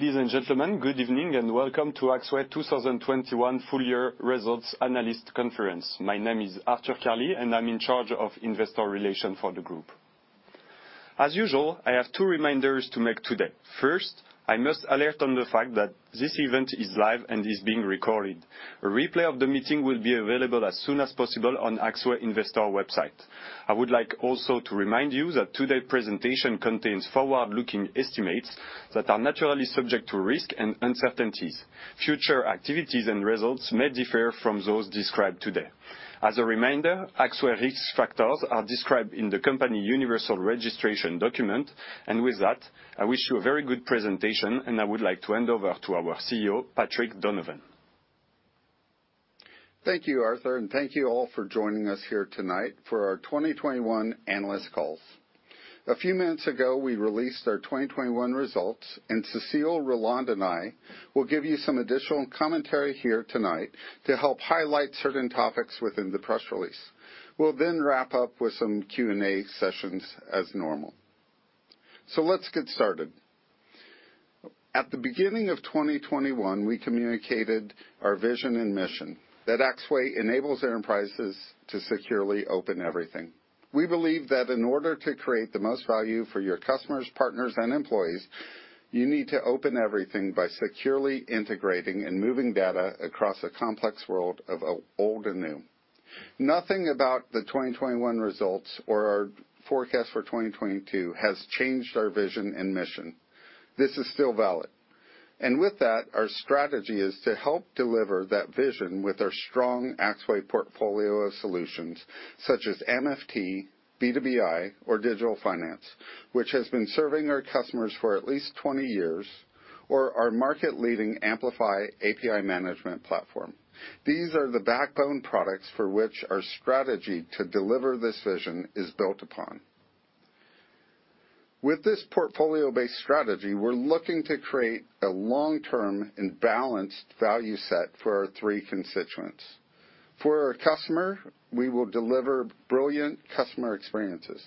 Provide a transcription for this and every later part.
Ladies and gentlemen, good evening and welcome to Axway 2021 Full Year Results Analyst Conference. My name is Arthur Carli, and I'm in charge of investor relations for the group. As usual, I have two reminders to make today. First, I must alert on the fact that this event is live and is being recorded. A replay of the meeting will be available as soon as possible on Axway investor website. I would like also to remind you that today's presentation contains forward-looking estimates that are naturally subject to risk and uncertainties. Future activities and results may differ from those described today. As a reminder, Axway risk factors are described in the company universal registration document. With that, I wish you a very good presentation, and I would like to hand over to our CEO, Patrick Donovan. Thank you, Arthur. Thank you all for joining us here tonight for our 2021 analyst calls. A few minutes ago, we released our 2021 results, and Cécile, Roland, and I will give you some additional commentary here tonight to help highlight certain topics within the press release. We'll then wrap up with some Q&A sessions as normal. Let's get started. At the beginning of 2021, we communicated our vision and mission that Axway enables enterprises to securely open everything. We believe that in order to create the most value for your customers, partners, and employees, you need to open everything by securely integrating and moving data across a complex world of old and new. Nothing about the 2021 results or our forecast for 2022 has changed our vision and mission. This is still valid. With that, our strategy is to help deliver that vision with our strong Axway portfolio of solutions such as MFT, B2Bi, or Digital Finance, which has been serving our customers for at least 20 years, or our market leading Amplify API Management Platform. These are the backbone products for which our strategy to deliver this vision is built upon. With this portfolio-based strategy, we're looking to create a long-term and balanced value set for our three constituents. For our customer, we will deliver brilliant customer experiences,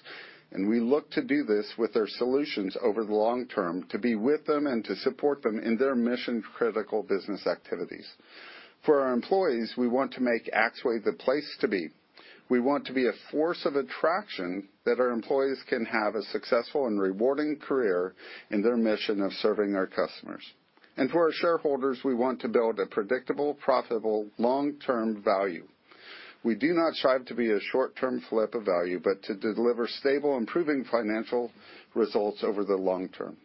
and we look to do this with our solutions over the long term to be with them and to support them in their mission-critical business activities. For our employees, we want to make Axway the place to be. We want to be a force of attraction that our employees can have a successful and rewarding career in their mission of serving our customers. For our shareholders, we want to build a predictable, profitable, long-term value. We do not strive to be a short-term flip of value, but to deliver stable, improving financial results over the long term.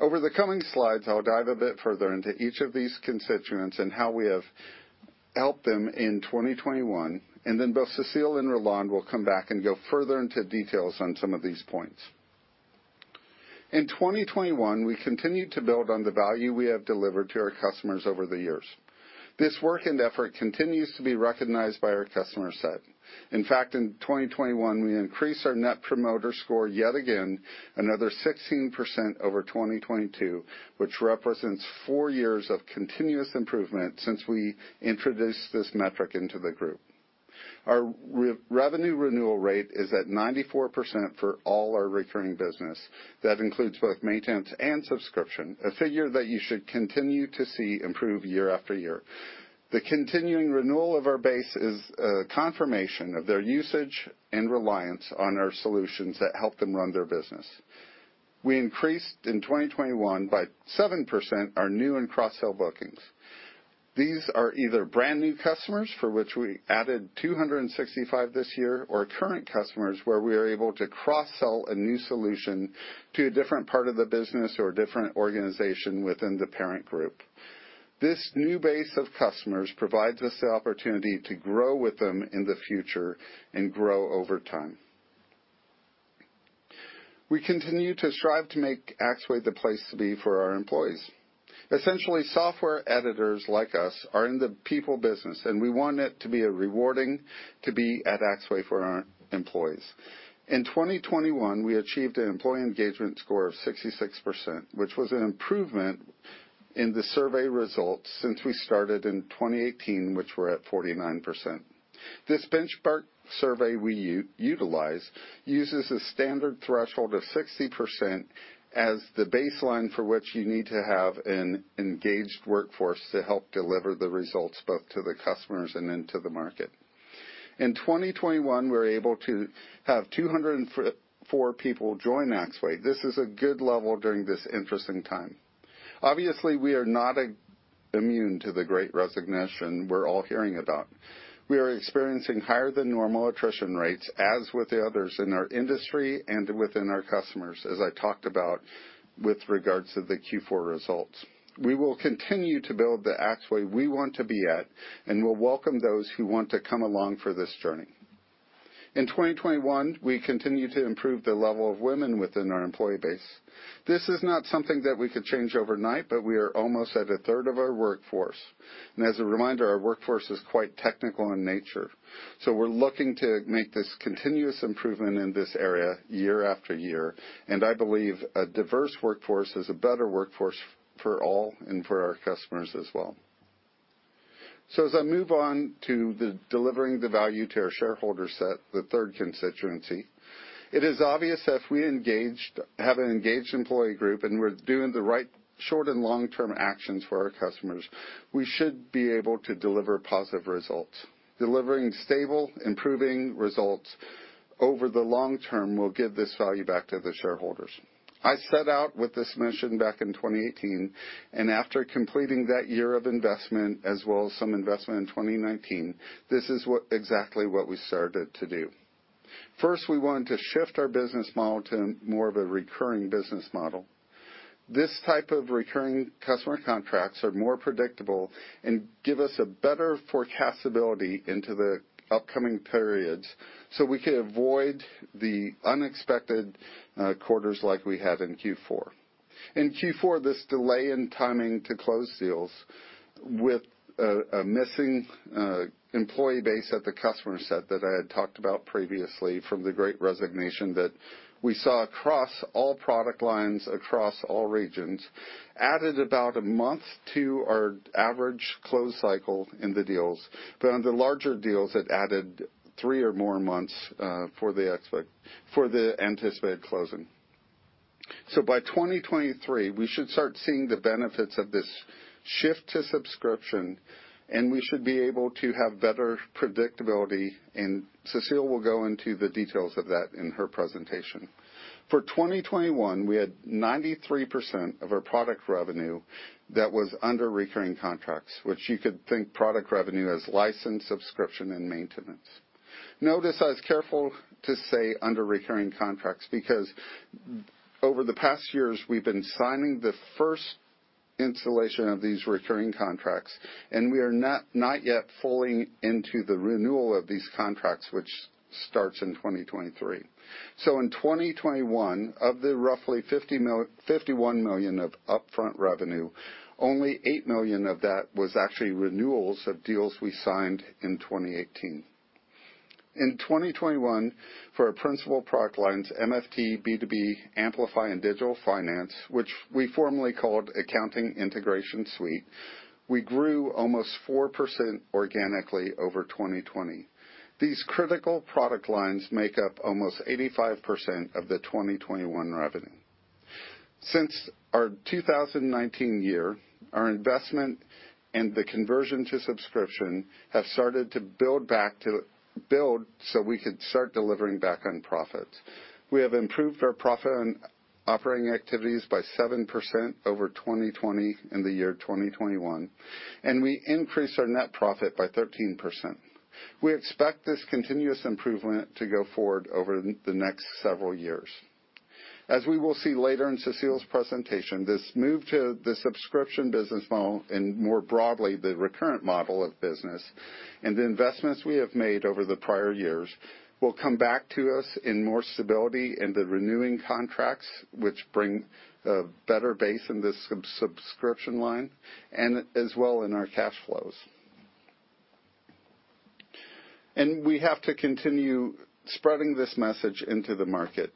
Over the coming slides, I'll dive a bit further into each of these constituents and how we have helped them in 2021, and then both Cécile and Roland will come back and go further into details on some of these points. In 2021, we continued to build on the value we have delivered to our customers over the years. This work and effort continues to be recognized by our customer set. In fact, in 2021, we increased our Net Promoter Score yet again, another 16% over 2022, which represents four years of continuous improvement since we introduced this metric into the group. Our revenue renewal rate is at 94% for all our recurring business. That includes both maintenance and subscription, a figure that you should continue to see improve year after year. The continuing renewal of our base is confirmation of their usage and reliance on our solutions that help them run their business. We increased in 2021 by 7% our new and cross-sell bookings. These are either brand new customers for which we added 265 this year or current customers where we are able to cross-sell a new solution to a different part of the business or a different organization within the parent group. This new base of customers provides us the opportunity to grow with them in the future and grow over time. We continue to strive to make Axway the place to be for our employees. Essentially, software editors like us are in the people business, and we want it to be rewarding to be at Axway for our employees. In 2021, we achieved an employee engagement score of 66%, which was an improvement in the survey results since we started in 2018, which were at 49%. This benchmark survey we utilize uses a standard threshold of 60% as the baseline for which you need to have an engaged workforce to help deliver the results both to the customers and then to the market. In 2021, we're able to have 204 people join Axway. This is a good level during this interesting time. Obviously, we are not immune to the great resignation we're all hearing about. We are experiencing higher than normal attrition rates, as with the others in our industry and within our customers, as I talked about with regards to the Q4 results. We will continue to build the Axway we want to be at, and we'll welcome those who want to come along for this journey. In 2021, we continued to improve the level of women within our employee base. This is not something that we could change overnight, but we are almost at a third of our workforce. As a reminder, our workforce is quite technical in nature. We're looking to make this continuous improvement in this area year after year. I believe a diverse workforce is a better workforce for all and for our customers as well. As I move on to delivering the value to our shareholders set, the third constituency, it is obvious if we have an engaged employee group, and we're doing the right short and long-term actions for our customers, we should be able to deliver positive results. Delivering stable, improving results over the long term will give this value back to the shareholders. I set out with this mission back in 2018, and after completing that year of investment as well as some investment in 2019, this is exactly what we started to do. First, we want to shift our business model to more of a recurring business model. This type of recurring customer contracts are more predictable and give us a better forecastability into the upcoming periods so we could avoid the unexpected quarters like we had in Q4. In Q4, this delay in timing to close deals with a missing employee base at the customer set that I had talked about previously from the great resignation that we saw across all product lines, across all regions, added about a month to our average close cycle in the deals. But on the larger deals, it added three or more months for the anticipated closing. By 2023, we should start seeing the benefits of this shift to subscription, and we should be able to have better predictability. Cécile will go into the details of that in her presentation. For 2021, we had 93% of our product revenue that was under recurring contracts, which you could think product revenue as license, subscription, and maintenance. Notice I was careful to say under recurring contracts because over the past years we've been signing the first installation of these recurring contracts, and we are not yet fully into the renewal of these contracts, which starts in 2023. In 2021, of the roughly 51 million of upfront revenue, only 8 million of that was actually renewals of deals we signed in 2018. In 2021, for our principal product lines, MFT, B2B, Amplify, and Digital Finance, which we formerly called Accounting Integration Suite, we grew almost 4% organically over 2020. These critical product lines make up almost 85% of the 2021 revenue. Since our 2019 year, our investment and the conversion to subscription have started to build so we could start delivering back on profits. We have improved our profit and operating activities by 7% over 2020 in the year 2021, and we increased our net profit by 13%. We expect this continuous improvement to go forward over the next several years. As we will see later in Cécile's presentation, this move to the subscription business model and more broadly, the recurrent model of business and the investments we have made over the prior years will come back to us in more stability in the renewing contracts, which bring a better base in this sub-subscription line and as well in our cash flows. We have to continue spreading this message into the market.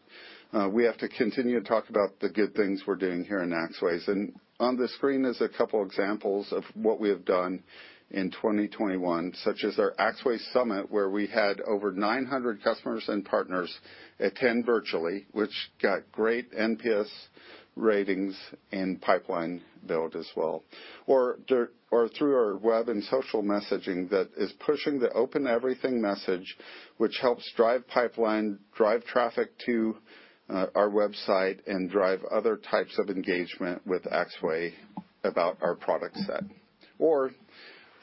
We have to continue to talk about the good things we're doing here in Axway. On the screen is a couple examples of what we have done in 2021, such as our Axway Summit, where we had over 900 customers and partners attend virtually, which got great NPS ratings and pipeline build as well, or through our web and social messaging that is pushing the Open Everything message, which helps drive pipeline, drive traffic to our website and drive other types of engagement with Axway about our product set.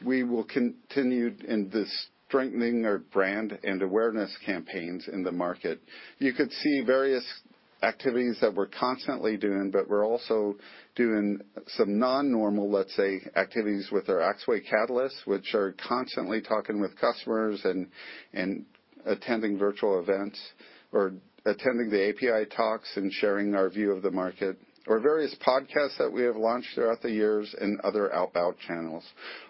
We will continue in the strengthening our brand and awareness campaigns in the market. You could see various activities that we're constantly doing, but we're also doing some non-normal, let's say, activities with our Axway Catalysts, which are constantly talking with customers and attending virtual events, or attending the API Talks and sharing our view of the market, or various podcasts that we have launched throughout the years and other outbound channels.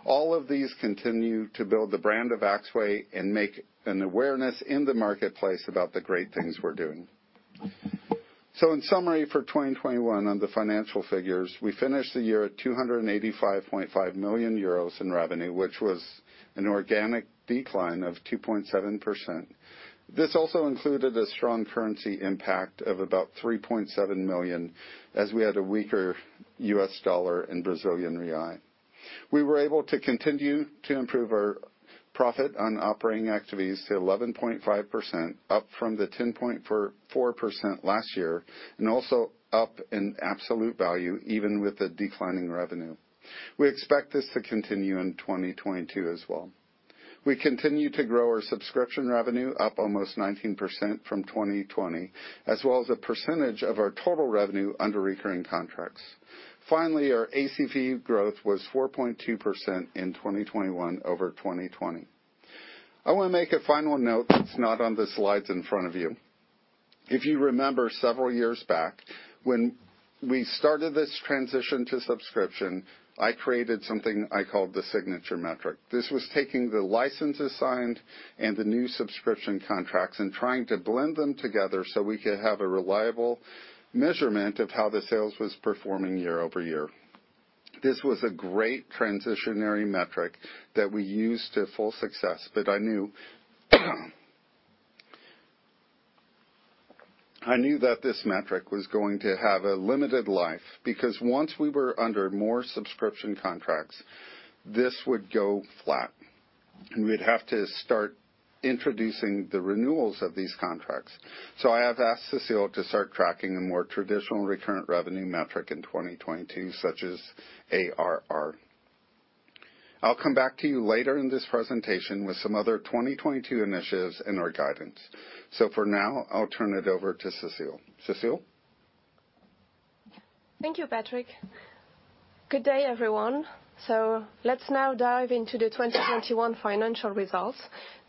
All of these continue to build the brand of Axway and make an awareness in the marketplace about the great things we're doing. In summary, for 2021 on the financial figures, we finished the year at 285.5 million euros in revenue, which was an organic decline of 2.7%. This also included a strong currency impact of about 3.7 million as we had a weaker U.S. dollar and Brazilian real. We were able to continue to improve our profit on operating activities to 11.5%, up from the 10.44% last year, and also up in absolute value even with the declining revenue. We expect this to continue in 2022 as well. We continue to grow our subscription revenue up almost 19% from 2020, as well as a percentage of our total revenue under recurring contracts. Finally, our ACV growth was 4.2% in 2021 over 2020. I want to make a final note that's not on the slides in front of you. If you remember several years back when we started this transition to subscription, I created something I called the signature metric. This was taking the licenses signed and the new subscription contracts and trying to blend them together so we could have a reliable measurement of how the sales was performing year-over-year. This was a great transitional metric that we used to full success, but I knew that this metric was going to have a limited life because once we were under more subscription contracts, this would go flat and we'd have to start introducing the renewals of these contracts. I have asked Cécile to start tracking a more traditional recurring revenue metric in 2022, such as ARR. I'll come back to you later in this presentation with some other 2022 initiatives and our guidance. For now, I'll turn it over to Cécile. Cécile? Thank you, Patrick. Good day, everyone. Let's now dive into the 2021 financial results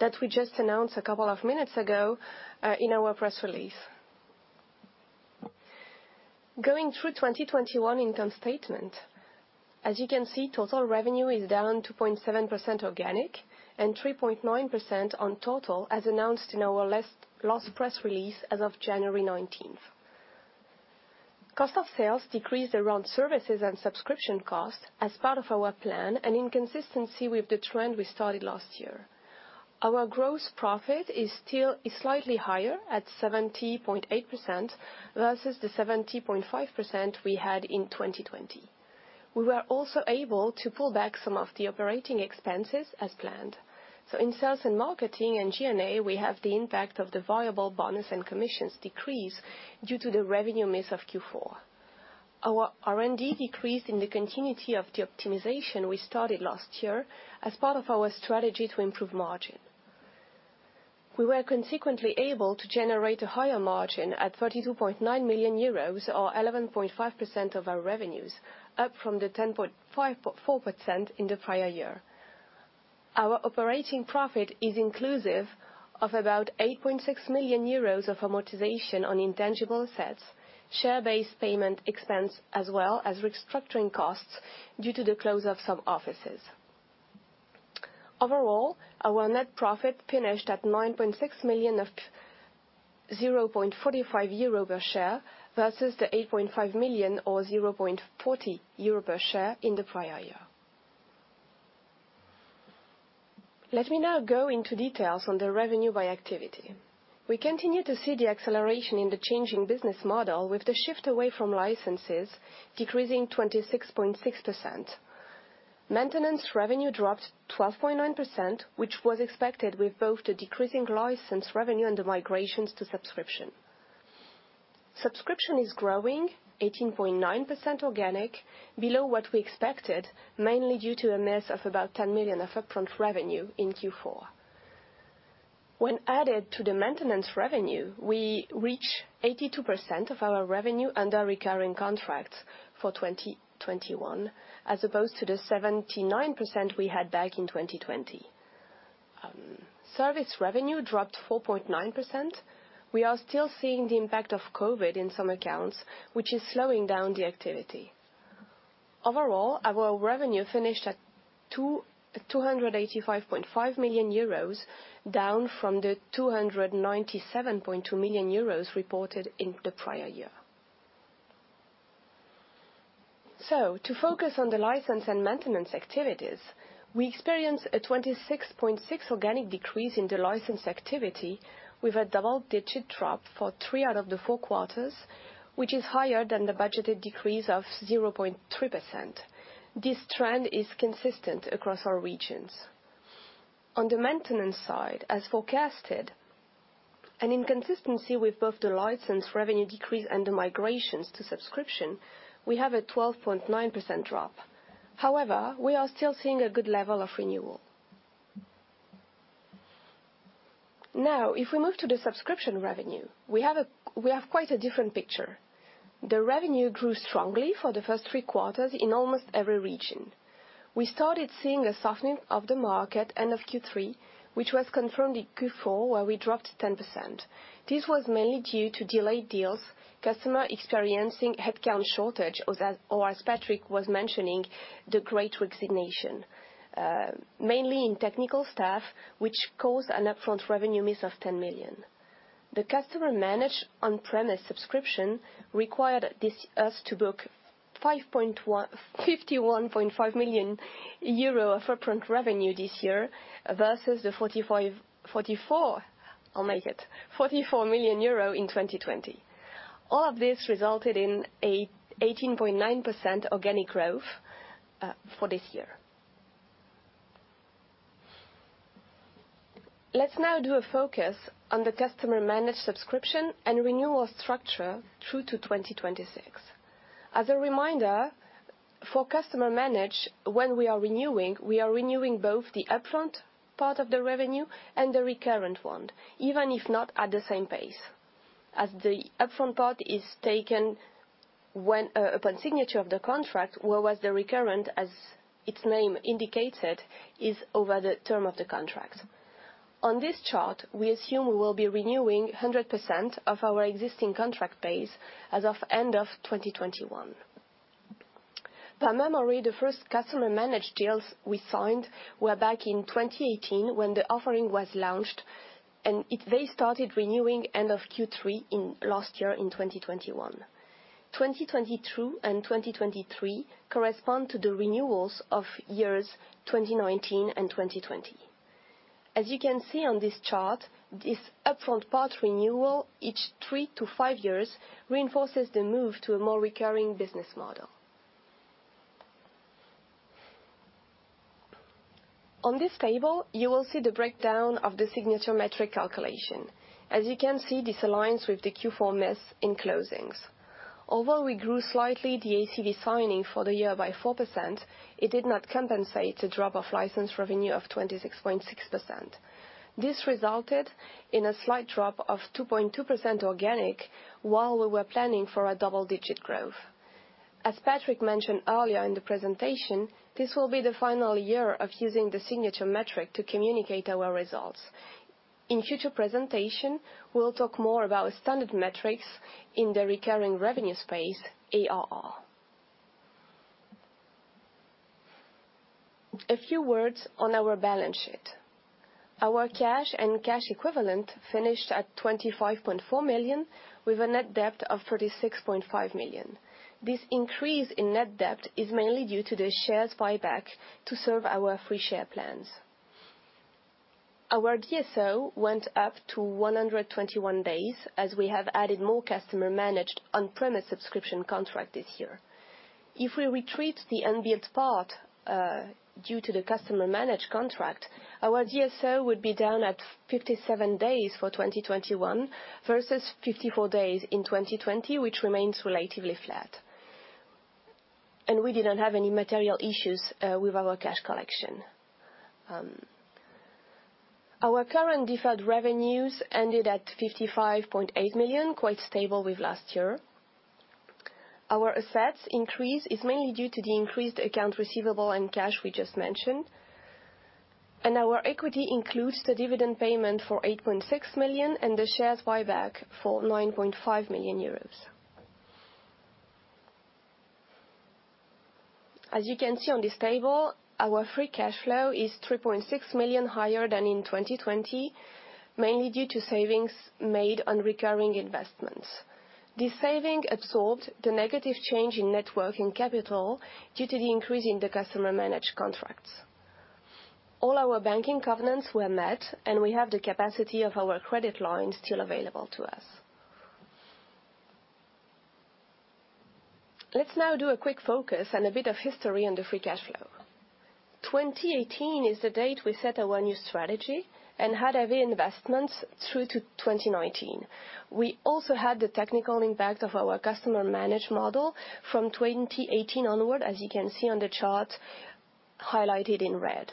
that we just announced a couple of minutes ago in our press release. Going through 2021 income statement. As you can see, total revenue is down 2.7% organic and 3.9% on total, as announced in our last press release as of January 19th. Cost of sales decreased around services and subscription costs as part of our plan and in consistency with the trend we started last year. Our gross profit is slightly higher at 70.8% versus the 70.5% we had in 2020. We were also able to pull back some of the operating expenses as planned. In sales and marketing and G&A, we have the impact of the variable bonus and commissions decrease due to the revenue miss of Q4. Our R&D decreased in the continuity of the optimization we started last year as part of our strategy to improve margin. We were consequently able to generate a higher margin at 32.9 million euros, or 11.5% of our revenues, up from the 10.54% in the prior year. Our operating profit is inclusive of about 8.6 million euros of amortization on intangible assets, share-based payment expense, as well as restructuring costs due to the close of some offices. Overall, our net profit finished at 9.6 million, or 0.45 euro per share versus the 8.5 million, or 0.40 euro per share in the prior year. Let me now go into details on the revenue by activity. We continue to see the acceleration in the changing business model with the shift away from licenses decreasing 26.6%. Maintenance revenue dropped 12.9%, which was expected with both the decreasing license revenue and the migrations to subscription. Subscription is growing 18.9% organic, below what we expected, mainly due to a miss of about 10 million of upfront revenue in Q4. When added to the maintenance revenue, we reach 82% of our revenue under recurring contracts for 2021, as opposed to the 79% we had back in 2020. Service revenue dropped 4.9%. We are still seeing the impact of COVID in some accounts, which is slowing down the activity. Overall, our revenue finished at 285.5 million euros, down from the 297.2 million euros reported in the prior year. To focus on the license and maintenance activities, we experienced a 26.6% organic decrease in the license activity with a double-digit drop for three out of the four quarters, which is higher than the budgeted decrease of 0.3%. This trend is consistent across our regions. On the maintenance side, as forecasted, and in consistency with both the license revenue decrease and the migrations to subscription, we have a 12.9% drop. However, we are still seeing a good level of renewal. Now, if we move to the subscription revenue, we have quite a different picture. The revenue grew strongly for the first three quarters in almost every region. We started seeing a softening of the market at the end of Q3, which was confirmed in Q4, where we dropped 10%. This was mainly due to delayed deals, customers experiencing headcount shortage, or as Patrick was mentioning, the great resignation, mainly in technical staff, which caused an upfront revenue miss of 10 million. The customer managed on-premise subscription required us to book 51.5 million euro of upfront revenue this year versus the 44 million euro in 2020. All of this resulted in 18.9% organic growth for this year. Let's now do a focus on the customer managed subscription and renewal structure through to 2026. As a reminder, for customer managed, when we are renewing, we are renewing both the upfront part of the revenue and the recurring one, even if not at the same pace, as the upfront part is taken when, upon signature of the contract, whereas the recurring, as its name indicates it, is over the term of the contract. On this chart, we assume we will be renewing 100% of our existing contract base as of end of 2021. From memory, the first customer managed deals we signed were back in 2018 when the offering was launched and they started renewing end of Q3 in last year in 2021. 2022 and 2023 correspond to the renewals of years 2019 and 2020. As you can see on this chart, this upfront part renewal each three to five years reinforces the move to a more recurring business model. On this table, you will see the breakdown of the signature metric calculation. As you can see, this aligns with the Q4 miss in closings. Although we grew slightly the ACV signing for the year by 4%, it did not compensate the drop of license revenue of 26.6%. This resulted in a slight drop of 2.2% organic while we were planning for a double-digit growth. As Patrick mentioned earlier in the presentation, this will be the final year of using the signature metric to communicate our results. In future presentation, we'll talk more about standard metrics in the recurring revenue space, ARR. A few words on our balance sheet. Our cash and cash equivalent finished at 25.4 million, with a net debt of 36.5 million. This increase in net debt is mainly due to the shares buyback to serve our free share plans. Our DSO went up to 121 days as we have added more customer managed on-premise subscription contract this year. If we retreat the unbilled part due to the customer managed contract, our DSO would be down at 57 days for 2021 versus 54 days in 2020, which remains relatively flat. We didn't have any material issues with our cash collection. Our current deferred revenues ended at 55.8 million, quite stable with last year. Our assets increase is mainly due to the increased account receivable and cash we just mentioned. Our equity includes the dividend payment for 8.6 million and the shares buyback for 9.5 million euros. As you can see on this table, our free cash flow is 3.6 million higher than in 2020, mainly due to savings made on recurring investments. This saving absorbed the negative change in network and capital due to the increase in the customer managed contracts. All our banking covenants were met, and we have the capacity of our credit line still available to us. Let's now do a quick focus and a bit of history on the free cash flow. 2018 is the date we set our one new strategy and had heavy investments through to 2019. We also had the technical impact of our customer managed model from 2018 onward, as you can see on the chart highlighted in red.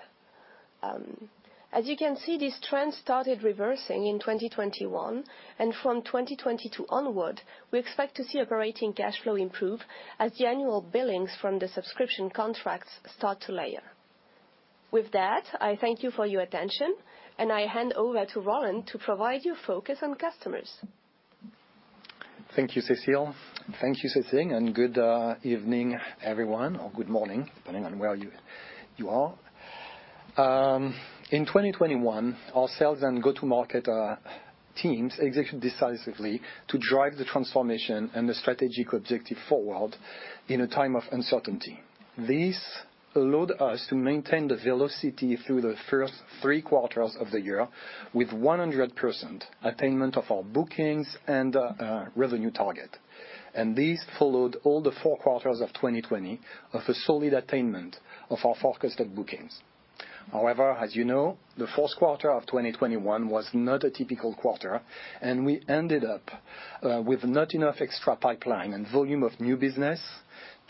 As you can see, this trend started reversing in 2021, and from 2022 onward, we expect to see operating cash flow improve as the annual billings from the subscription contracts start to layer. With that, I thank you for your attention, and I hand over to Roland to provide you focus on customers. Thank you, Cécile, and good evening, everyone, or good morning, depending on where you are. In 2021, our sales and go-to-market teams executed decisively to drive the transformation and the strategic objective forward in a time of uncertainty. This allowed us to maintain the velocity through the first three quarters of the year with 100% attainment of our bookings and revenue target. This followed all the four quarters of 2020 of a solid attainment of our forecasted bookings. However, as you know, the fourth quarter of 2021 was not a typical quarter, and we ended up with not enough extra pipeline and volume of new business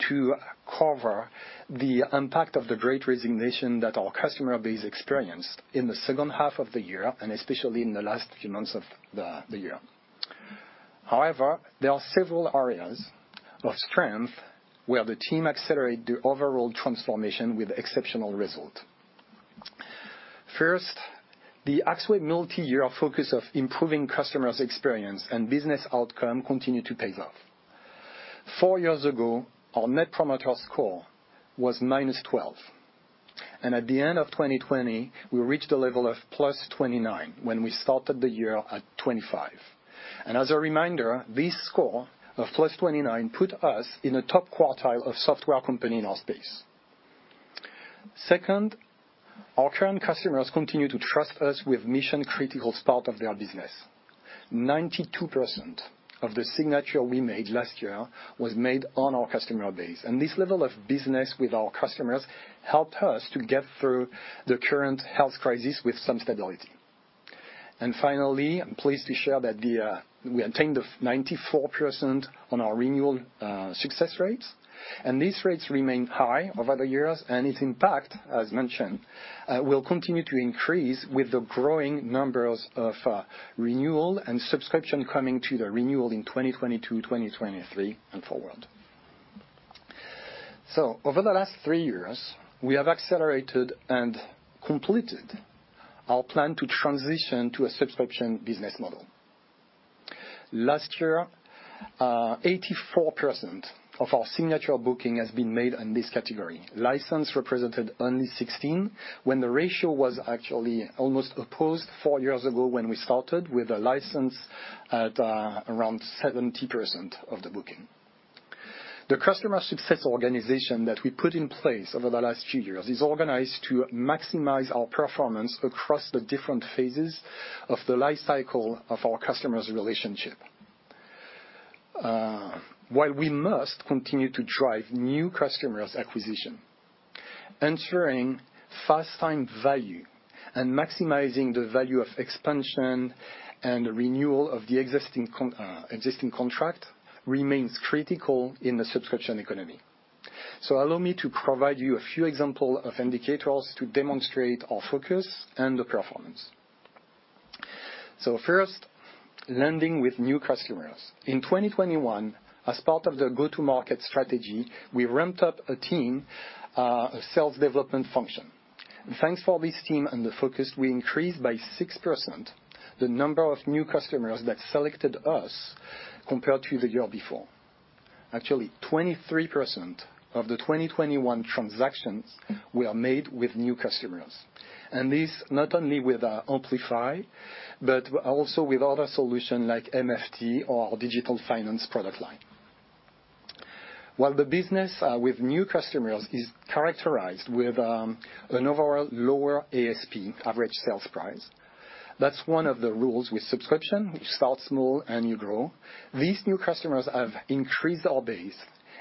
to cover the impact of the great resignation that our customer base experienced in the second half of the year and especially in the last few months of the year. However, there are several areas of strength where the team accelerate the overall transformation with exceptional result. First, the Axway multi-year focus of improving customers' experience and business outcome continued to pay off. Four years ago, our Net Promoter Score was -12, and at the end of 2020, we reached a level of +29 when we started the year at 25. As a reminder, this score of +29 put us in a top quartile of software company in our space. Second, our current customers continue to trust us with mission-critical part of their business. 92% of the signature we made last year was made on our customer base, and this level of business with our customers helped us to get through the current health crisis with some stability. Finally, I'm pleased to share that we attained 94% on our renewal success rates, and these rates remain high over the years, and its impact, as mentioned, will continue to increase with the growing numbers of renewal and subscription coming to the renewal in 2022, 2023 and forward. Over the last three years, we have accelerated and completed our plan to transition to a subscription business model. Last year, 84% of our signature booking has been made in this category. License represented only 16%, when the ratio was actually almost reversed four years ago when we started with a license at around 70% of the booking. The customer success organization that we put in place over the last few years is organized to maximize our performance across the different phases of the life cycle of our customer's relationship. While we must continue to drive new customers acquisition, ensuring first-time value and maximizing the value of expansion and renewal of the existing contract remains critical in the subscription economy. Allow me to provide you a few example of indicators to demonstrate our focus and the performance. First, landing with new customers. In 2021, as part of the go-to-market strategy, we ramped up a team, a sales development function. Thanks for this team and the focus, we increased by 6% the number of new customers that selected us compared to the year before. Actually, 23% of the 2021 transactions were made with new customers. This not only with Amplify, but also with other solution like MFT or our Digital Finance product line. While the business with new customers is characterized with an overall lower ASP, Average Sales Price, that's one of the rules with subscription, which start small and you grow. These new customers have increased our base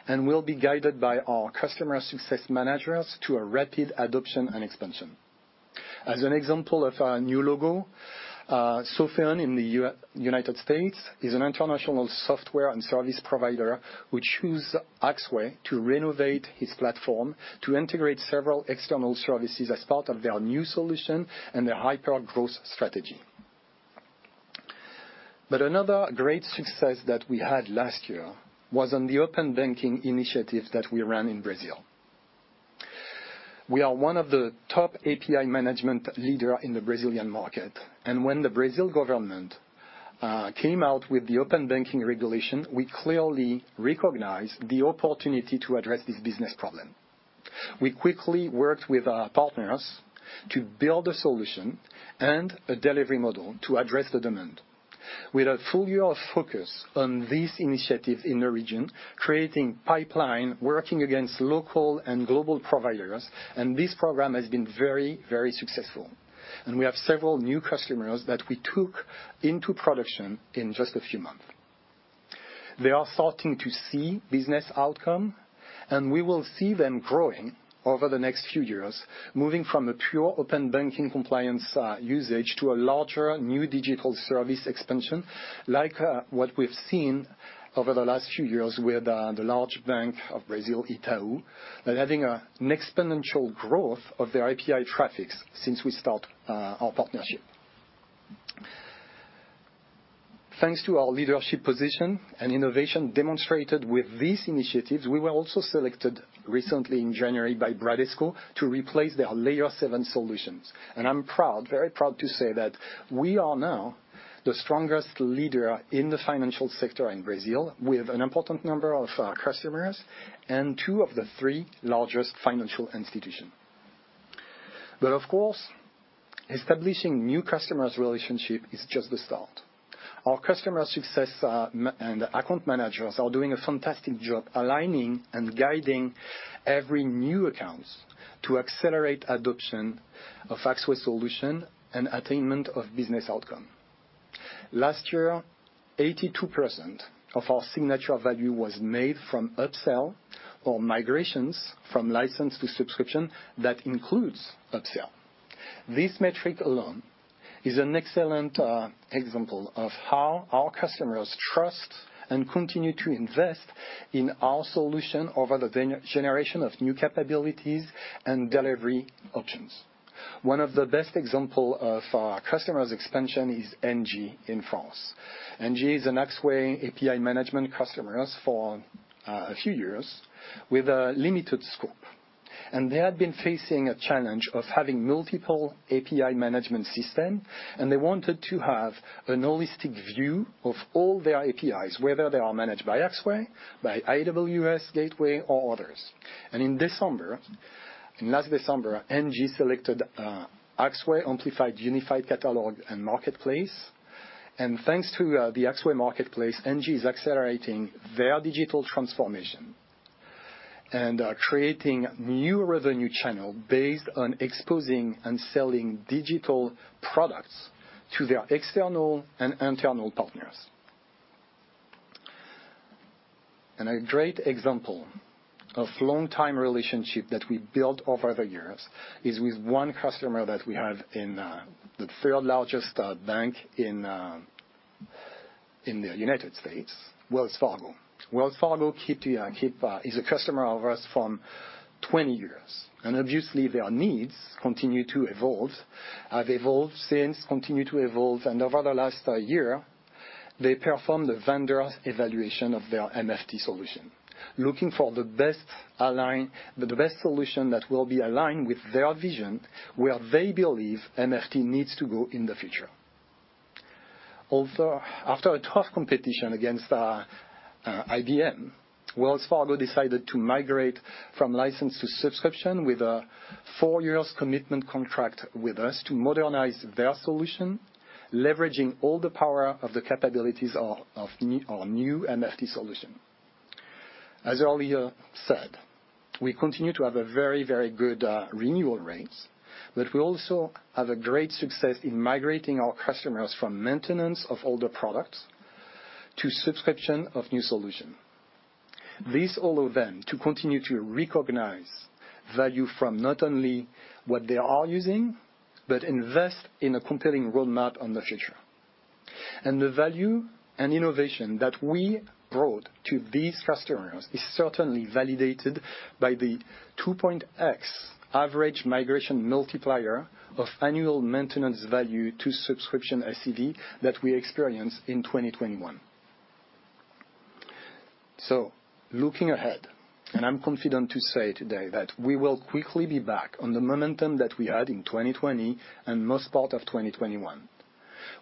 and will be guided by our customer success managers to a rapid adoption and expansion. As an example of our new logo, Sophos in the United States is an international software and service provider which choose Axway to renovate his platform to integrate several external services as part of their new solution and their hyper-growth strategy. Another great success that we had last year was on the open banking initiative that we ran in Brazil. We are one of the top API management leader in the Brazilian market. When the Brazilian government came out with the open banking regulation, we clearly recognized the opportunity to address this business problem. We quickly worked with our partners to build a solution and a delivery model to address the demand. With a full year of focus on this initiative in the region, creating pipeline, working against local and global providers, and this program has been very, very successful. We have several new customers that we took into production in just a few months. They are starting to see business outcome, and we will see them growing over the next few years, moving from a pure open banking compliance usage to a larger new digital service expansion, like what we've seen over the last few years with the large bank of Brazil, Itaú, by having an exponential growth of their API traffic since we start our partnership. Thanks to our leadership position and innovation demonstrated with these initiatives, we were also selected recently in January by Bradesco to replace their Layer7 solutions. I'm proud, very proud to say that we are now the strongest leader in the financial sector in Brazil with an important number of customers and two of the three largest financial institutions. Of course, establishing new customer relationships is just the start. Our customer success and account managers are doing a fantastic job aligning and guiding every new accounts to accelerate adoption of Axway solution and attainment of business outcome. Last year, 82% of our signature value was made from upsell or migrations from license to subscription that includes upsell. This metric alone is an excellent example of how our customers trust and continue to invest in our solution over the generation of new capabilities and delivery options. One of the best example of our customers expansion is Engie in France. Engie is an Axway API management customers for a few years with a limited scope. They had been facing a challenge of having multiple API management system, and they wanted to have an holistic view of all their APIs, whether they are managed by Axway, by AWS Gateway or others. In last December, Engie selected Axway Amplify Unified Catalog and marketplace. Thanks to the Axway marketplace, Engie is accelerating their digital transformation and are creating new revenue channel based on exposing and selling digital products to their external and internal partners. A great example of long-time relationship that we built over the years is with one customer that we have in the third-largest bank in the United States, Wells Fargo. Wells Fargo is a customer of us from 20 years. Obviously, their needs continue to evolve, have evolved since, continue to evolve. Over the last year, they performed a vendor evaluation of their MFT solution, looking for the best solution that will be aligned with their vision, where they believe MFT needs to go in the future. Also, after a tough competition against IBM, Wells Fargo decided to migrate from license to subscription with a four-year commitment contract with us to modernize their solution, leveraging all the power of the capabilities of our new MFT solution. As earlier said, we continue to have a very good renewal rates, but we also have a great success in migrating our customers from maintenance of older products to subscription of new solution. These allow them to continue to recognize value from not only what they are using, but invest in a compelling roadmap for the future. The value and innovation that we brought to these customers is certainly validated by the 2.x average migration multiplier of annual maintenance value to subscription ACV that we experienced in 2021. Looking ahead, and I'm confident to say today that we will quickly be back on the momentum that we had in 2020 and most part of 2021.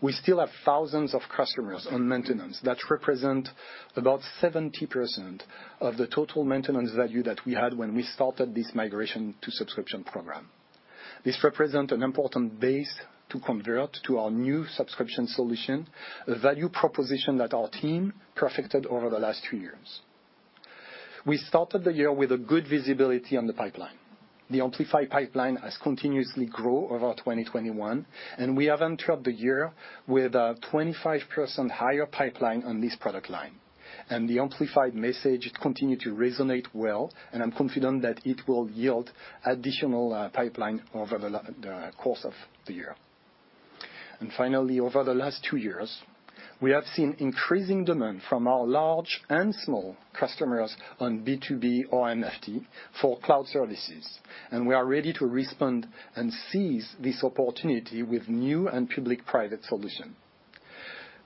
We still have thousands of customers on maintenance that represent about 70% of the total maintenance value that we had when we started this migration to subscription program. This represent an important base to convert to our new subscription solution, a value proposition that our team perfected over the last two years. We started the year with a good visibility on the pipeline. The Amplify pipeline has continuously grow over 2021, and we have entered the year with a 25% higher pipeline on this product line. The Amplify message, it continued to resonate well, and I'm confident that it will yield additional pipeline over the course of the year. Finally, over the last two years, we have seen increasing demand from our large and small customers on B2B or MFT for cloud services, and we are ready to respond and seize this opportunity with new and public-private solution.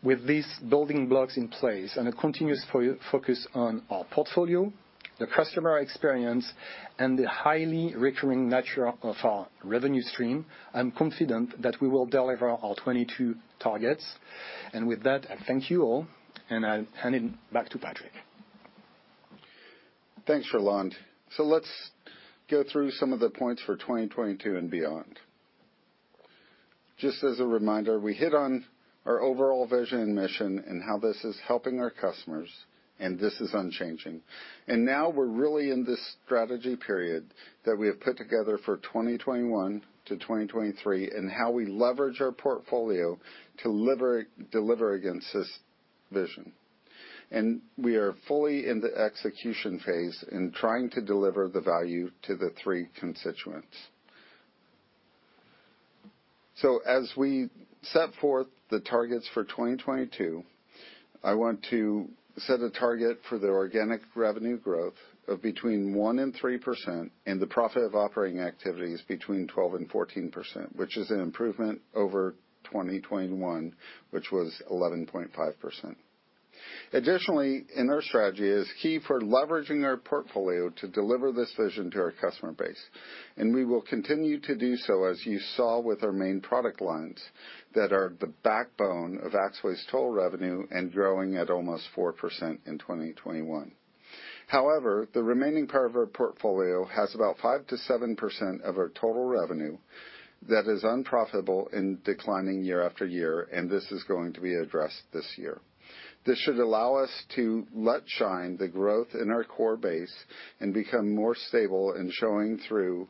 With these building blocks in place and a continuous focus on our portfolio, the customer experience, and the highly recurring nature of our revenue stream, I'm confident that we will deliver our 22 targets. With that, I thank you all, and I'll hand it back to Patrick. Thanks, Roland. Let's go through some of the points for 2022 and beyond. Just as a reminder, we hit on our overall vision and mission and how this is helping our customers, and this is unchanging. Now we're really in this strategy period that we have put together for 2021 to 2023 and how we leverage our portfolio to deliver against this vision. We are fully in the execution phase in trying to deliver the value to the three constituents. As we set forth the targets for 2022, I want to set a target for the organic revenue growth of between 1% and 3% and the profit of operating activities between 12% and 14%, which is an improvement over 2021, which was 11.5%. Additionally, in our strategy is key for leveraging our portfolio to deliver this vision to our customer base. We will continue to do so, as you saw with our main product lines that are the backbone of Axway's total revenue and growing at almost 4% in 2021. However, the remaining part of our portfolio has about 5%-7% of our total revenue that is unprofitable and declining year after year, and this is going to be addressed this year. This should allow us to let shine the growth in our core base and become more stable in showing through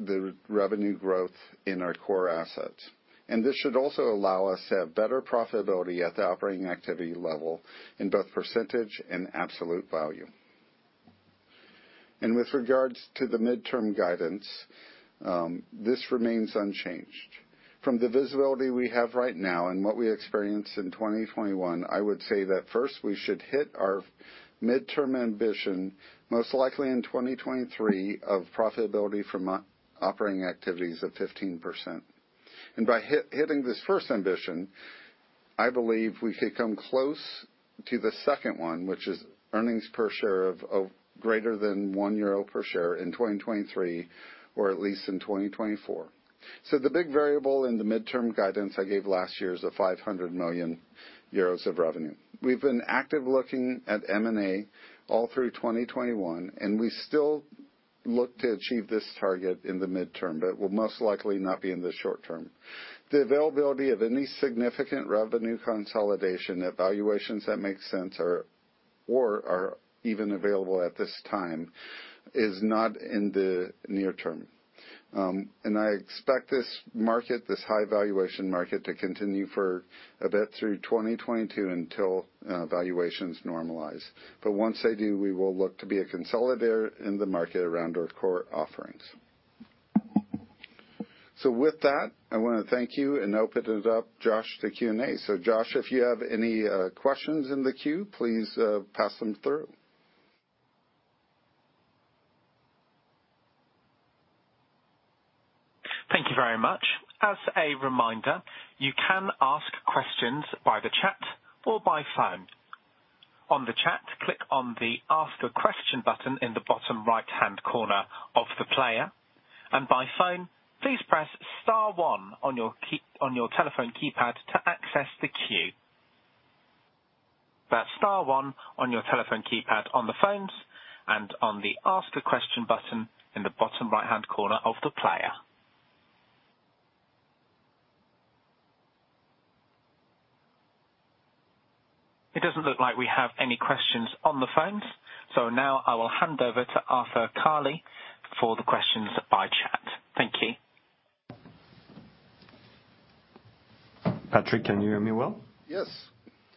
the revenue growth in our core assets. This should also allow us to have better profitability at the operating activity level in both percentage and absolute value. With regards to the midterm guidance, this remains unchanged. From the visibility we have right now and what we experienced in 2021, I would say that first we should hit our midterm ambition, most likely in 2023, of profitability from operating activities of 15%. By hitting this first ambition, I believe we could come close to the second one, which is earnings per share of greater than 1 euro per share in 2023, or at least in 2024. The big variable in the midterm guidance I gave last year is the 500 million euros of revenue. We've been active looking at M&A all through 2021, and we still look to achieve this target in the midterm, but it will most likely not be in the short term. The availability of any significant revenue consolidation, evaluations that make sense or are even available at this time is not in the near term. I expect this market, this high valuation market, to continue for a bit through 2022 until valuations normalize. Once they do, we will look to be a consolidator in the market around our core offerings. With that, I wanna thank you and open it up, Josh, to Q&A. Josh, if you have any questions in the queue, please pass them through. Thank you very much. As a reminder, you can ask questions by the chat or by phone. On the chat, click on the Ask a Question button in the bottom right-hand corner of the player. By phone, please press star one on your telephone keypad to access the queue. That's star one on your telephone keypad on the phones and on the Ask a Question button in the bottom right-hand corner of the player. It doesn't look like we have any questions on the phones. Now I will hand over to Arthur Carli for the questions by chat. Thank you. Patrick, can you hear me well? Yes,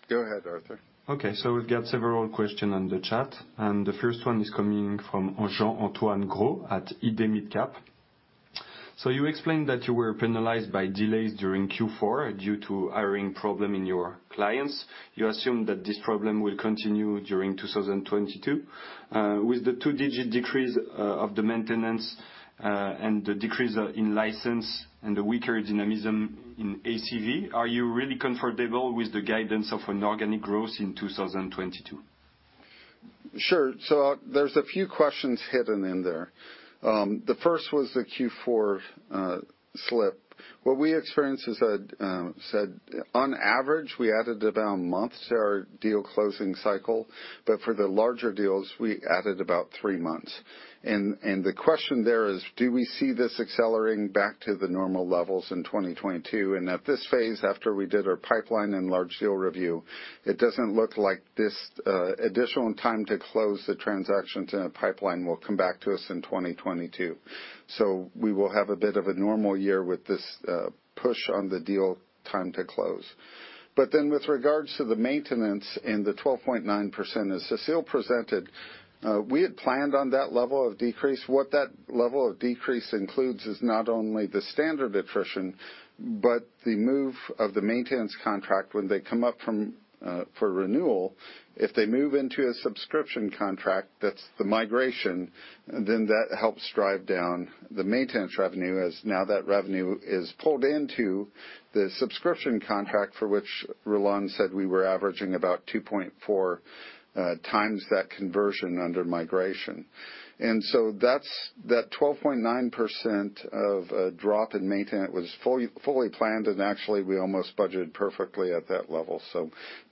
go ahead, Arthur. Okay. We've got several questions on the chat, and the first one is coming from Jean-Antoine Gros at IDMidCaps. You explained that you were penalized by delays during Q4 due to hiring problems in your clients. You assume that this problem will continue during 2022. With the two-digit decrease of the maintenance, and the decrease in license and the weaker dynamism in ACV, are you really comfortable with the guidance of an organic growth in 2022? Sure. There's a few questions hidden in there. The first was the Q4 slip. What we experienced is that is, on average, we added about a month to our deal closing cycle. But for the larger deals, we added about three months. The question there is, do we see this accelerating back to the normal levels in 2022? At this phase, after we did our pipeline and large deal review, it doesn't look like this additional time to close the transactions in the pipeline will come back to us in 2022. We will have a bit of a normal year with this push on the deal time to close. Then with regards to the maintenance and the 12.9%, as Cécile presented, we had planned on that level of decrease. What that level of decrease includes is not only the standard attrition, but the move of the maintenance contract when they come up for renewal, if they move into a subscription contract, that's the migration, and then that helps drive down the maintenance revenue as now that revenue is pulled into the subscription contract for which Roland said we were averaging about 2.4x that conversion under migration. That's the 12.9% drop in maintenance was fully planned, and actually, we almost budgeted perfectly at that level.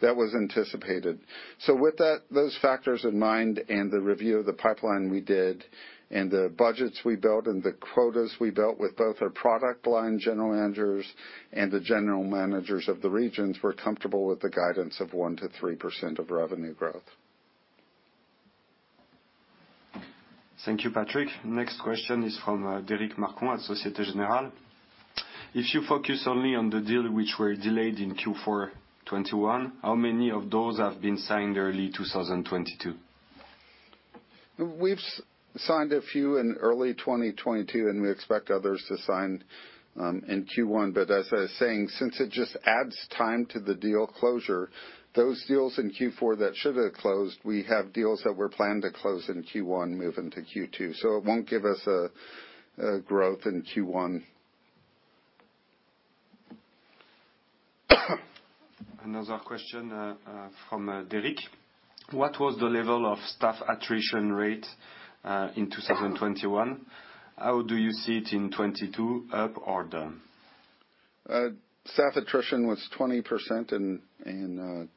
That was anticipated. With that, those factors in mind and the review of the pipeline we did and the budgets we built and the quotas we built with both our product line general managers and the general managers of the regions, we're comfortable with the guidance of 1%-3% revenue growth. Thank you, Patrick. Next question is from Derric Marcon at Société Générale. If you focus only on the deals which were delayed in Q4 2021, how many of those have been signed early 2022? We've signed a few in early 2022, and we expect others to sign in Q1. As I was saying, since it just adds time to the deal closure, those deals in Q4 that should have closed, we have deals that were planned to close in Q1 move into Q2. It won't give us a growth in Q1. Another question from Derric. What was the level of staff attrition rate in 2021? How do you see it in 2022, up or down? Staff attrition was 20% in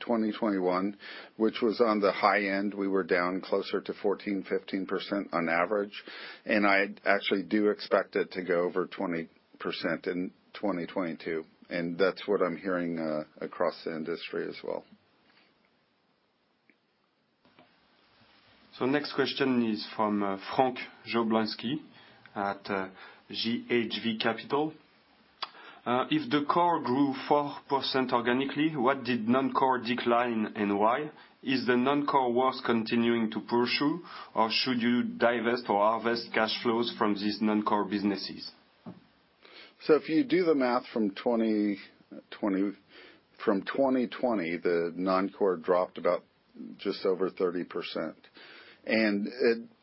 2021, which was on the high end. We were down closer to 14%-15% on average. I actually do expect it to go over 20% in 2022, and that's what I'm hearing across the industry as well. Next question is from Frank Jablonski at GHV Capital. If the core grew 4% organically, what did non-core decline and why? Is the non-core worth continuing to pursue, or should you divest or harvest cash flows from these non-core businesses? If you do the math from 2020, the non-core dropped about just over 30%.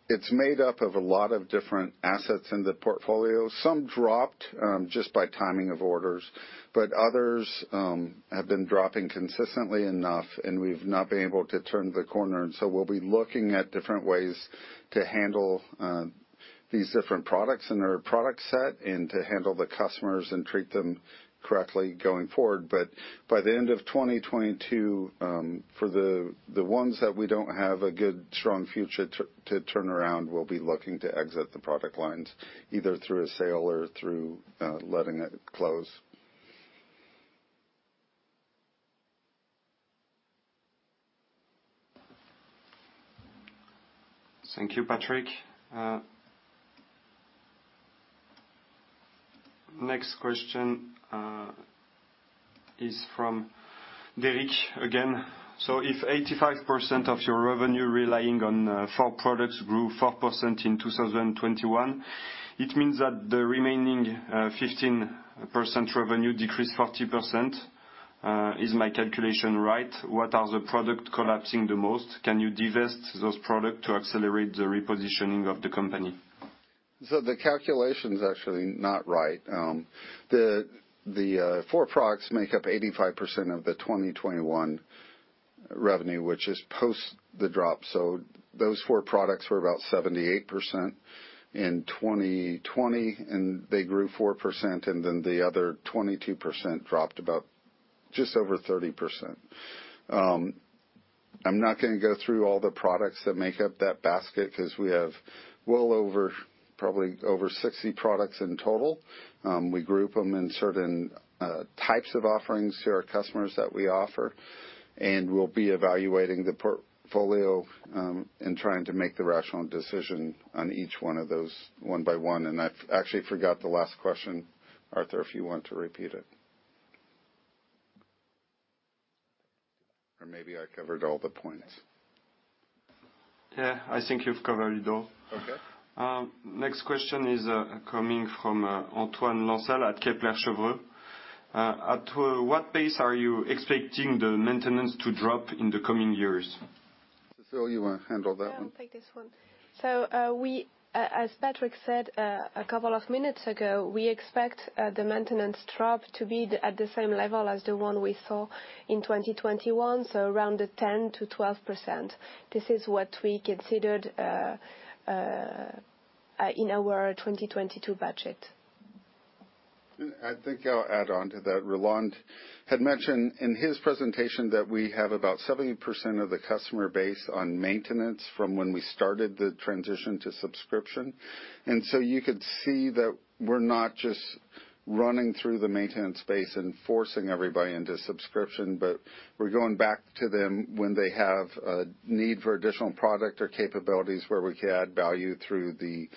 It's made up of a lot of different assets in the portfolio. Some dropped just by timing of orders, but others have been dropping consistently enough, and we've not been able to turn the corner. We'll be looking at different ways to handle these different products in our product set and to handle the customers and treat them correctly going forward. By the end of 2022, for the ones that we don't have a good, strong future to turn around, we'll be looking to exit the product lines, either through a sale or through letting it close. Thank you, Patrick. Next question is from Derric again. If 85% of your revenue relying on four products grew 4% in 2021, it means that the remaining 15% revenue decreased 40%. Is my calculation right? What are the products collapsing the most? Can you divest those products to accelerate the repositioning of the company? The calculation is actually not right. The four products make up 85% of the 2021 revenue, which is post the drop. Those four products were about 78% in 2020, and they grew 4%, and then the other 22% dropped about just over 30%. I'm not gonna go through all the products that make up that basket because we have well over, probably over 60 products in total. We group them in certain types of offerings to our customers that we offer, and we'll be evaluating the portfolio, and trying to make the rational decision on each one of those one by one. I've actually forgot the last question, Arthur, if you want to repeat it. Or maybe I covered all the points. Yeah, I think you've covered it all. Okay. Next question is coming from Antoine Lensel at Kepler Cheuvreux. At what pace are you expecting the maintenance to drop in the coming years? Cécile, you wanna handle that one? Yeah, I'll take this one. As Patrick said a couple of minutes ago, we expect the maintenance drop to be at the same level as the one we saw in 2021, so around 10%-12%. This is what we considered in our 2022 budget. I think I'll add on to that. Roland had mentioned in his presentation that we have about 70% of the customer base on maintenance from when we started the transition to subscription. You could see that we're not just running through the maintenance base and forcing everybody into subscription, but we're going back to them when they have a need for additional product or capabilities where we can add value through the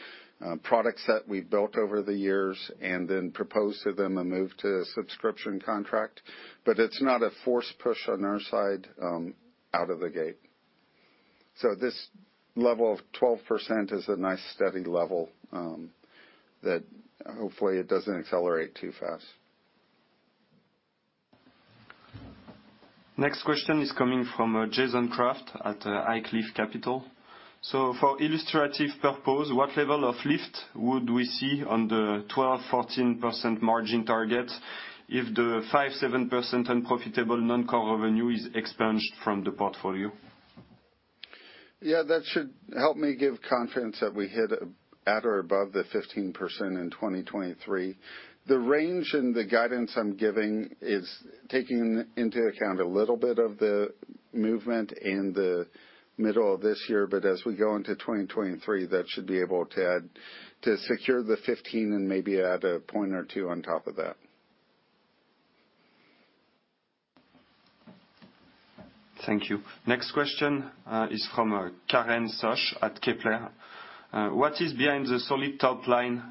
products that we've built over the years, and then propose to them a move to a subscription contract. It's not a forced push on our side, out of the gate. This level of 12% is a nice steady level that hopefully it doesn't accelerate too fast. Next question is coming from Jason Kraft at Highcliffe Capital. For illustrative purpose, what level of lift would we see on the 12%-14% margin target if the 5%-7% unprofitable non-core revenue is expunged from the portfolio? Yeah, that should help me give confidence that we hit at or above the 15% in 2023. The range in the guidance I'm giving is taking into account a little bit of the movement in the middle of this year, but as we go into 2023, that should be able to add, to secure the 15% and maybe add a point or two on top of that. Thank you. Next question is from Karen Sosh at Kepler. What is behind the solid top line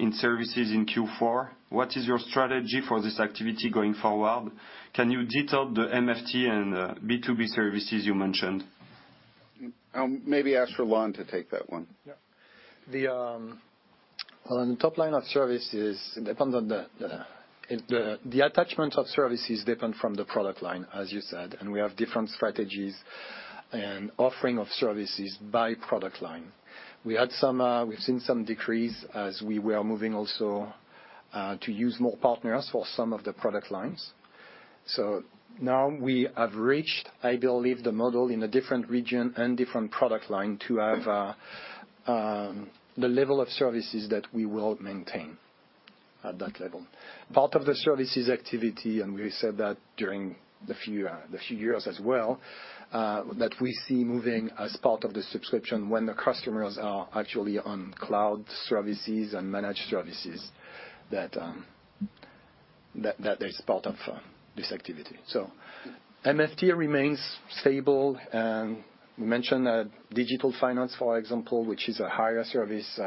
in services in Q4? What is your strategy for this activity going forward? Can you detail the MFT and B2B services you mentioned? Maybe ask Roland to take that one. Yeah. On the top line of services, it depends on the attachment of services depend from the product line, as you said, and we have different strategies and offering of services by product line. We've seen some decrease as we were moving also to use more partners for some of the product lines. Now we have reached, I believe, the model in a different region and different product line to have the level of services that we will maintain at that level. Part of the services activity, we said that during the few years as well that we see moving as part of the subscription when the customers are actually on cloud services and managed services that is part of this activity. MFT remains stable, and we mentioned that Digital Finance, for example, which is a higher service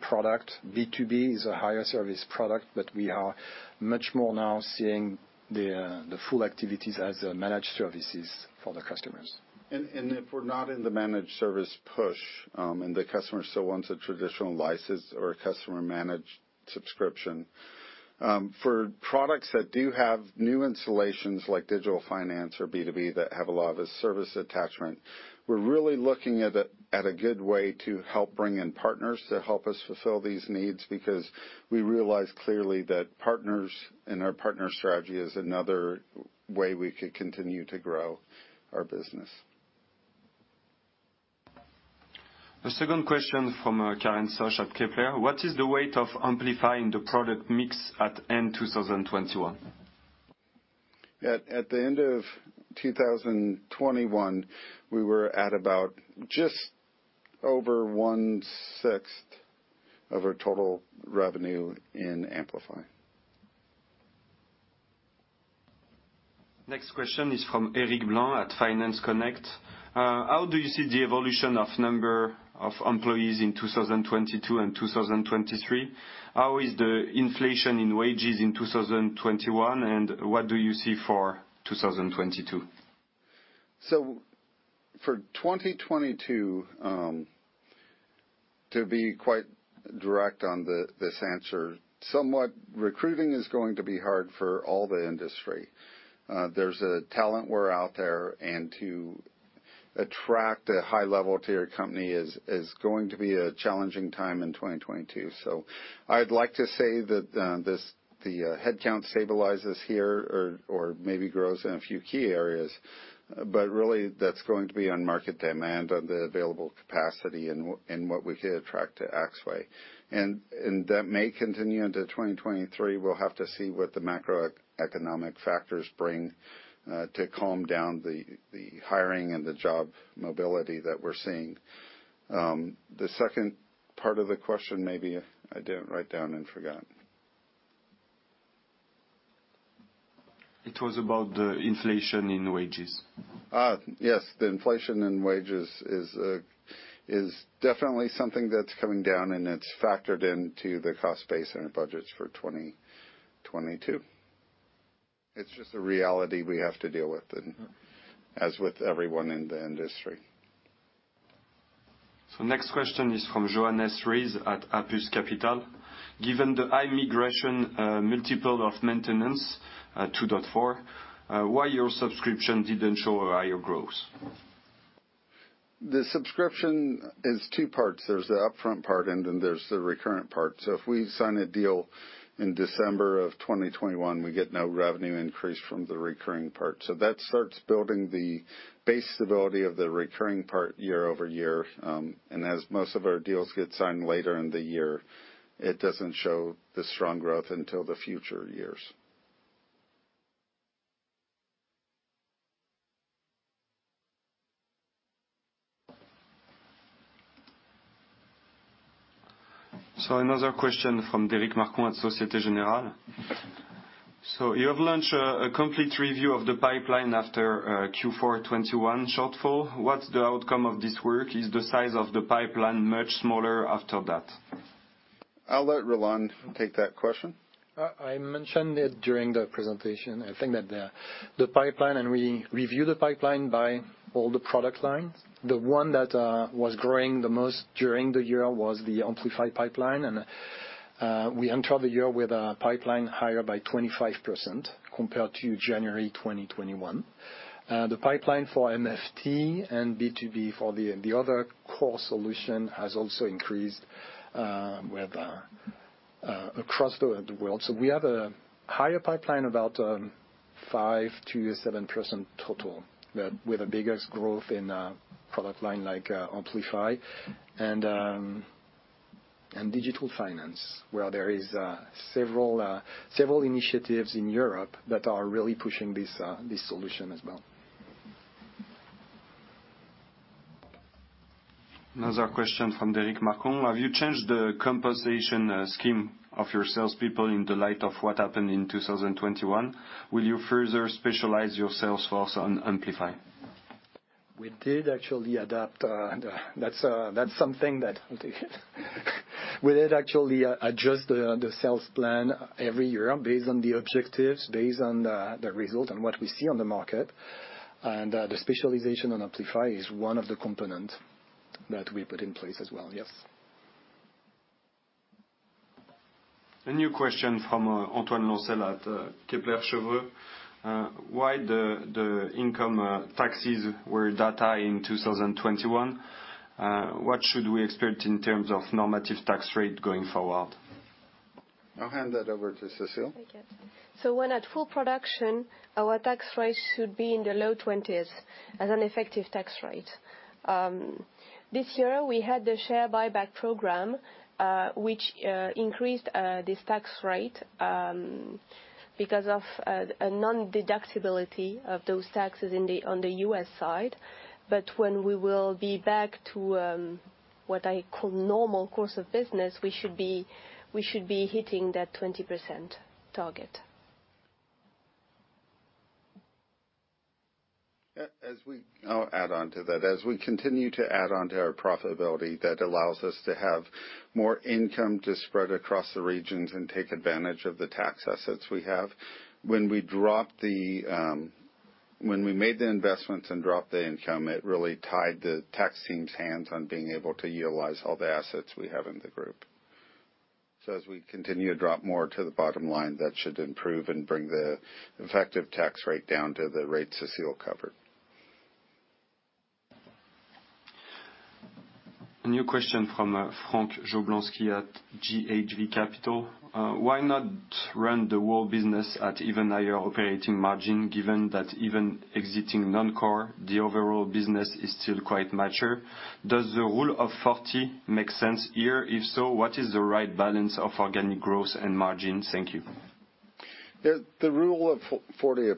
product. B2B is a higher service product, but we are much more now seeing the full activities as managed services for the customers. If we're not in the managed service push, and the customer still wants a traditional license or a customer-managed subscription, for products that do have new installations like Digital Finance or B2B that have a lot of service attachment, we're really looking at a good way to help bring in partners to help us fulfill these needs because we realize clearly that partners and our partner strategy is another way we could continue to grow our business. The second question from Karen Sosh at Kepler: What is the weight of Amplify in the product mix at end 2021? At the end of 2021, we were at about just over 1/6 of our total revenue in Amplify. Next question is from Eric Blanc at Finance Connect. How do you see the evolution of number of employees in 2022 and 2023? How is the inflation in wages in 2021, and what do you see for 2022? For 2022, to be quite direct on this answer, somewhat recruiting is going to be hard for all the industry. There's a talent war out there, and to attract a high level to your company is going to be a challenging time in 2022. I'd like to say that the headcount stabilizes here or maybe grows in a few key areas, but really that's going to be on market demand and the available capacity and what we can attract to Axway. That may continue into 2023. We'll have to see what the macroeconomic factors bring to calm down the hiring and the job mobility that we're seeing. The second part of the question, maybe I didn't write down and forgot. It was about the inflation in wages. Yes. The inflation in wages is definitely something that's coming down, and it's factored into the cost base and the budgets for 2022. It's just a reality we have to deal with, and as with everyone in the industry. Next question is from Johannes Ries at Apus Capital. Given the high migration multiple of maintenance 2.4x, why your subscription didn't show a higher growth? The subscription is two parts. There's the upfront part, and then there's the recurrent part. If we sign a deal in December of 2021, we get no revenue increase from the recurring part. That starts building the base stability of the recurring part year-over-year. As most of our deals get signed later in the year, it doesn't show the strong growth until the future years. Another question from Derek Marcon at Société Générale. You have launched a complete review of the pipeline after Q4 2021 shortfall. What's the outcome of this work? Is the size of the pipeline much smaller after that? I'll let Roland take that question. I mentioned it during the presentation. I think that the pipeline and we review the pipeline by all the product lines. The one that was growing the most during the year was the Amplify pipeline. We entered the year with a pipeline higher by 25% compared to January 2021. The pipeline for MFT and B2B for the other core solution has also increased across the world. We have a higher pipeline, about 5%-7% total with the biggest growth in product line like Amplify and Digital Finance, where there is several initiatives in Europe that are really pushing this solution as well. Another question from Derric Marcon. Have you changed the compensation scheme of your salespeople in the light of what happened in 2021? Will you further specialize your sales force on Amplify? We did actually adapt, that's something that we did actually adjust the sales plan every year based on the objectives, based on the result and what we see on the market. The specialization on Amplify is one of the components that we put in place as well. Yes. A new question from Antoine Lancel at Kepler Cheuvreux. Why the income taxes were that high in 2021? What should we expect in terms of normative tax rate going forward? I'll hand that over to Cécile. Thank you. When at full production, our tax rate should be in the low 20s% as an effective tax rate. This year, we had the share buyback program, which increased this tax rate because of a non-deductibility of those taxes on the U.S. side. When we will be back to what I call normal course of business, we should be hitting that 20% target. I'll add on to that. As we continue to add on to our profitability, that allows us to have more income to spread across the regions and take advantage of the tax assets we have. When we made the investments and dropped the income, it really tied the tax team's hands on being able to utilize all the assets we have in the group. As we continue to drop more to the bottom line, that should improve and bring the effective tax rate down to the rate Cécile covered. A new question from Frank Jablonski at GHV Capital. Why not run the whole business at even higher operating margin given that even exiting non-core, the overall business is still quite mature? Does the Rule of 40 make sense here? If so, what is the right balance of organic growth and margin? Thank you. The Rule of 40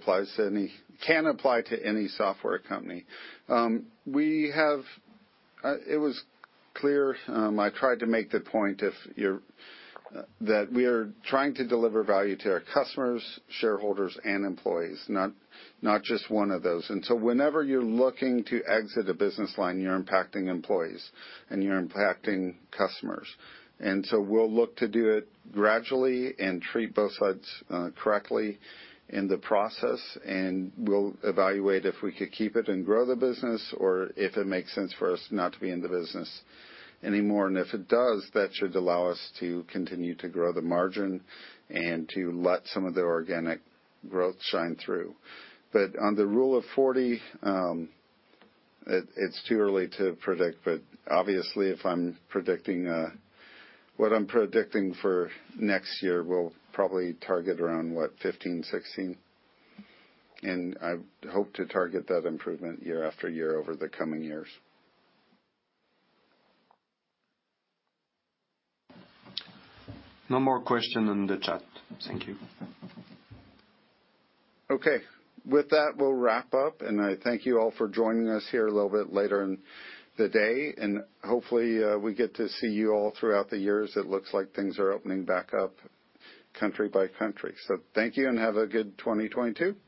can apply to any software company. It was clear. I tried to make the point that we are trying to deliver value to our customers, shareholders and employees, not just one of those. Whenever you're looking to exit a business line, you're impacting employees and you're impacting customers. We'll look to do it gradually and treat both sides correctly in the process. We'll evaluate if we could keep it and grow the business or if it makes sense for us not to be in the business anymore. If it does, that should allow us to continue to grow the margin and to let some of the organic growth shine through. On the Rule of 40, it's too early to predict, but obviously, if I'm predicting what I'm predicting for next year, we'll probably target around what? 15%, 16%? I hope to target that improvement year after year over the coming years. No more question on the chat. Thank you. Okay. With that, we'll wrap up. I thank you all for joining us here a little bit later in the day, and hopefully, we get to see you all throughout the years. It looks like things are opening back up country by country. Thank you, and have a good 2022.